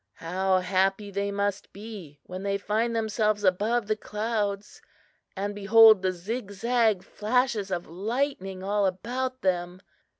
How happy they must be when they find themselves above the clouds, and behold the zigzag flashes of lightning all about them!